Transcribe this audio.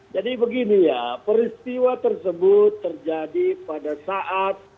jadi begini ya peristiwa tersebut terjadi pada saat